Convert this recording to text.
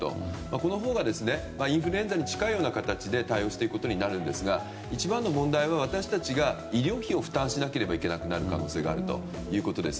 このほうがインフルエンザに近い形で対応していくことになるんですが一番の問題は私たちが医療費を負担しなければいけない可能性があるということです。